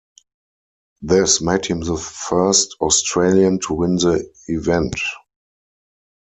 This made him the first Australian to win the event.